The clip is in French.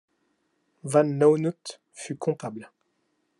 Van Loenhout fut comptable.